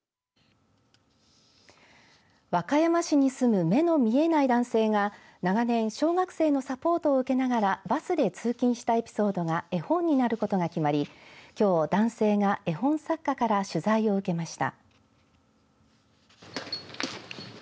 和歌山市に住む目の見えない男性が長年、小学生のサポートを受けながらバスで通勤したエピソードが絵本になることが決まりきょう、男性が絵本作家から取材を受けました。